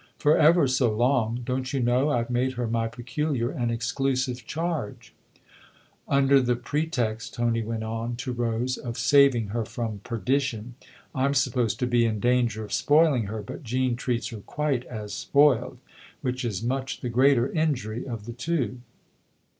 " For ever so long. Don't you know I've made her my peculiar and exclusive charge ?"" Under the pretext," Tony went on, to Rose, " of saving her from perdition. I'm supposed to be in danger of spoiling her, but Jean treats her quite as spoiled ; which is much the greater injury of the two."